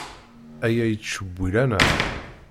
Aya yettcewwil-aneɣ.